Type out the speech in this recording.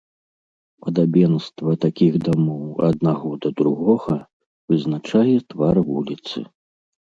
Падабенства такіх дамоў аднаго да другога вызначае твар вуліцы.